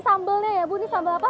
sambelnya ya bu ini sambel apa